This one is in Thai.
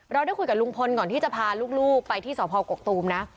ได้คุยกับลุงพลก่อนที่จะพาลูกไปที่สพกกตูมนะ